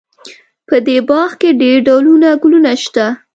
په دې باغ کې ډېر ډولونه ګلونه شته